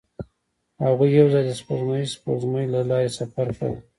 هغوی یوځای د سپوږمیز سپوږمۍ له لارې سفر پیل کړ.